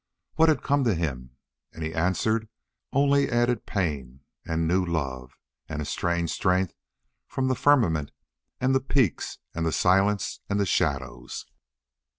What had come to him? And he answered only added pain and new love, and a strange strength from the firmament and the peaks and the silence and the shadows.